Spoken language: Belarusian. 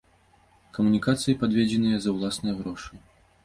Камунікацыі падведзеныя за ўласныя грошы.